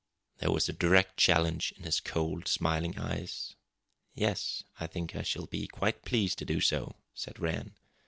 There was a direct challenge in his coldly smiling eyes. "Yes, I think I shall be quite pleased to do so," said Rann.